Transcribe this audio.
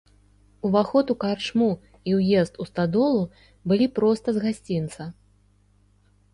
Уваход у карчму і ўезд у стадолу былі проста з гасцінца.